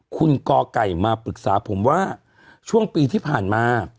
คุณกไก่มาปรึกษาผมว่าช่วงปีที่ผ่านมา